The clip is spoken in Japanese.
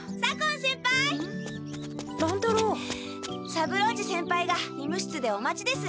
三郎次先輩が医務室でお待ちです。